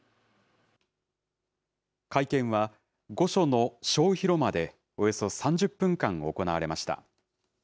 会見は、御所の小広間でおよそ３０分間行われました。